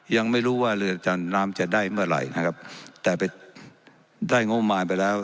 ยังไม่รู้ว่าเรือจันน้ำจะได้เมื่อไหร่นะครับแต่ไปได้งบมารไปแล้ว